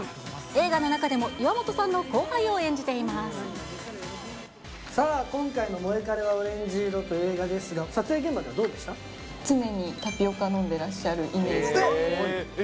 映画の中でも岩本さんの後輩を演さあ、今回のモエカレはオレンジ色という映画ですが、撮影現場ではどう常にタピオカ飲んでらっしゃかわいい。